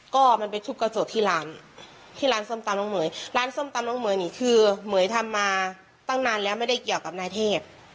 ก็มันไปทุบกระจกที่ร้านที่ร้านส้มตำน้องเหม๋ยร้านส้มตำน้องเหยนี่คือเหม๋ยทำมาตั้งนานแล้วไม่ได้เกี่ยวกับนายเทพ